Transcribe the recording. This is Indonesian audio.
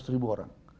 seratus ribu orang